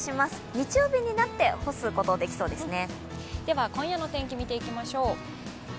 日曜日になって、干すことができそうですね。